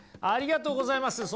ありがとうございます。